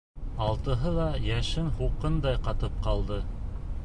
Алтыһы ла йәшен һуҡҡандай ҡатып ҡалды.